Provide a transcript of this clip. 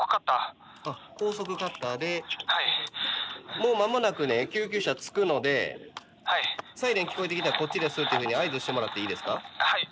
もう間もなくね救急車着くのでサイレン聞こえてきたら「こっちです」っていうふうに合図してもらっていいですか？